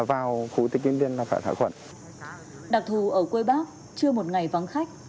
đặc thù ở quê bác chưa một ngày vắng khách